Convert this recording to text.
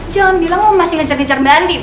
jangan bilang lu masih ngejar dua mbak andien